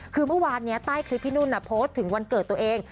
คือเมื่อวานนี้ใต้คลิปพี่นุ่นโพสต์ถึงวันเกิดตัวเอง